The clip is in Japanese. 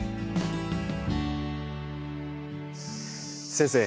先生。